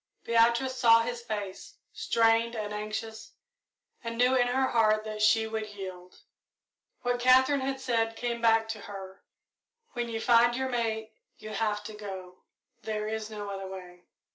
Beatrice saw his face, strained and anxious, and knew in her heart that she would yield. What Katherine had said came back to her "When you find your mate, you have to go there is no other way."